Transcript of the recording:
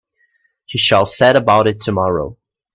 He shall set about it tomorrow.